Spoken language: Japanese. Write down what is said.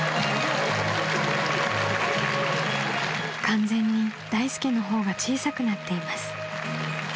［完全に大助の方が小さくなっています］